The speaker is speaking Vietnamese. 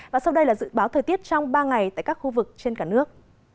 và sau đây là dự báo thời tiết trong ba ngày tại các khu vực trên cả nước